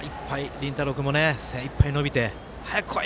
麟太郎君も精いっぱい伸びて早くこい！